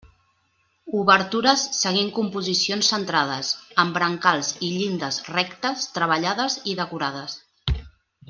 Obertures seguint composicions centrades, amb brancals i llindes rectes treballades i decorades.